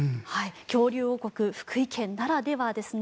恐竜王国・福井県ならではですね。